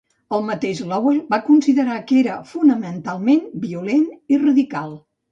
El mateix Lowell va considerar que era fonamentalment violent i radical.